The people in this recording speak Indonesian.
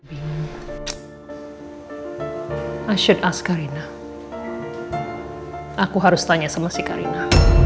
i should ask karina aku harus tanya sama si karina